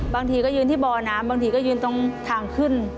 บางทีก็ยืนที่บ่อน้ำบางทีก็ยืนตรงทางขึ้น